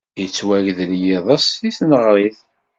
Yettwagdel yiḍes deg tneɣrit.